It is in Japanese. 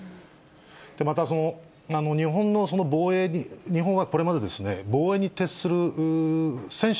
また、日本の防衛に、日本はこれまで防衛に徹する専守